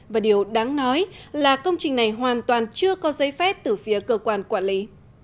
và điều đáng nói là công trình này hoàn toàn chưa có giấy phép từ phía cơ quan quản lý